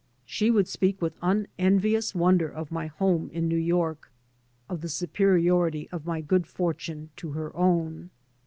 She would speak with unenvious won der of my home in New York, of the supe riority of my good fortune to her own.